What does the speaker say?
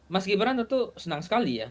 mas gibran tentu senang sekali ya